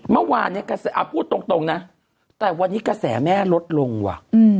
เมื่อวานเนี่ยพูดตรงนะแต่วันนี้กระแสแม่ลดลงว่ะ